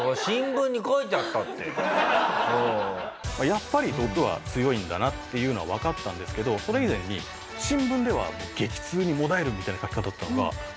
やっぱり毒は強いんだなっていうのはわかったんですけどそれ以前に新聞では激痛に悶えるみたいな書き方だったのが。